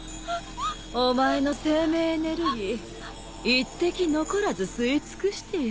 お前の生命エネルギー一滴残らず吸い尽くしてやる。